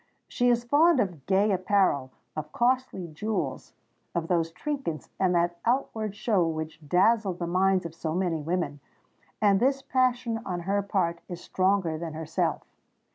She is fond of gay apparel—of costly jewels—of those trinkets and that outward show which dazzle the minds of so many women; and this passion on her part is stronger than herself.